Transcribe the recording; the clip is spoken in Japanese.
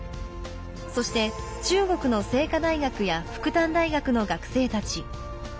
そして中国の清華大学や復旦大学の学生たち。